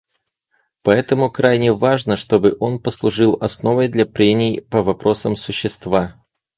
Поэтому крайне важно, чтобы он послужил основой для прений по вопросам существа.